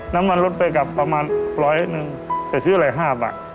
น้ำมันรถไปกับประมาณ๑๐๐นึงแต่ซื้อไหล่๕บาท